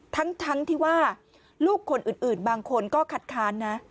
ทั้งที่ว่าลูกคนอื่นบางคนก็คัดค้านนะ